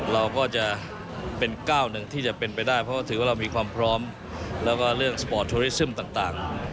เราก็จะเป็นก้าวหนึ่งที่จะเป็นไปได้เพราะถือว่าเรามีความพร้อมแล้วก็เรื่องสปอร์ตโทรริสซึมต่าง